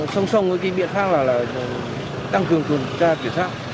sông sông với kinh viện khác là tăng cường tuần tra kiểm soát